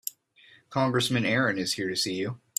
Congressman Aaron is here to see you.